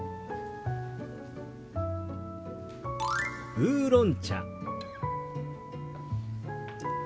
「ウーロン茶」。